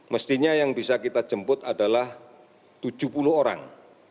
mestinya yang bisa kita jemput adalah tujuh puluh orang